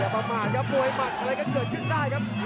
มักเลยก็เกิดขึ้นได้ครับ